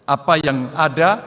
apa yang ada